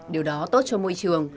điều đó tốt cho môi trường